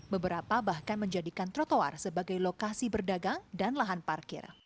beberapa bahkan menjadikan trotoar sebagai lokasi berdagang dan lahan parkir